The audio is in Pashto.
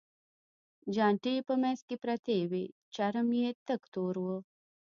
چانټې یې په منځ کې پرتې وې، چرم یې تک تور و.